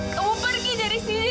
kamu pergi dari sini